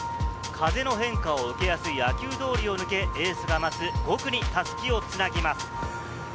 風の変化を受けやすい秋保通を抜け、エースが待つ５区に襷を繋ぎます。